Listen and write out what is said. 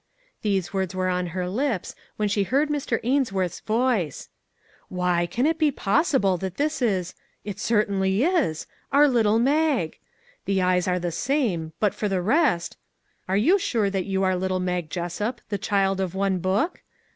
" These words were 347 MAG AND MARGARET on her lips when she heard Mr. Ainsworth's voice :" Why, can it be possible that this is it cer tainly is our little Mag! The eyes are the same, but for the rest . Are you sure that you are little Mag Jessup, the child of one book?